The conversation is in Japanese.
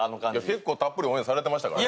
結構たっぷりオンエアされてましたからね。